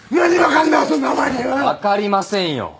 分かりませんよ。